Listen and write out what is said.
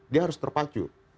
dia harus terpacu